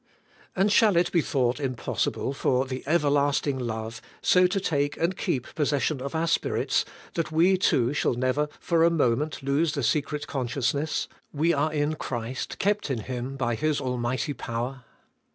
And shall it be thought impossible for the Everlasting Love so to take and keep possession of our spirits, that we too shall never for a moment lose the secret consiious ness: We are in Christ, kept in Him by His almighty power.